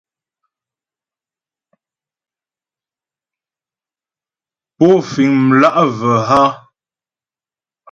Pó fíŋ mlǎ'və a ?